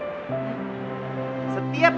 setiap ada penyelesaian